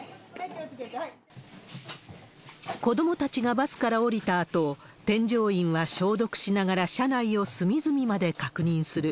子どもたちがバスから降りたあと、添乗員は消毒しながら車内を隅々まで確認する。